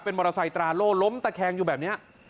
มอเตอร์ไซค์ตราโล่ล้มตะแคงอยู่แบบนี้